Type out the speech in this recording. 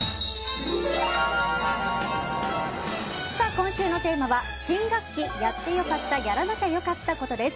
今週のテーマは新学期やってよかった・やらなきゃよかったコトです。